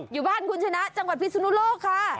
อยู่บ้านคุณชนะจังหวัดพิศนุโลกค่ะ